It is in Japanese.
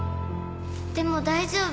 でも大丈夫。